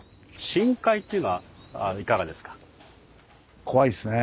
深海っていうのはいかがですか？